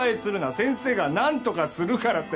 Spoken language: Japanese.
先生がなんとかするから」って。